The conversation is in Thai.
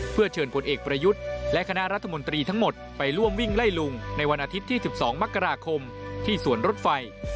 เพื่อเชิญผลเอกประยุทธ์และคณะรัฐมนตรีทั้งหมดไปร่วมวิ่งไล่ลุงในวันอาทิตย์ที่๑๒มกราคมที่สวนรถไฟ